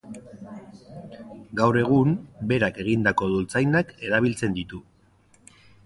Gaur egun, berak egindako dultzainak erabiltzen ditu.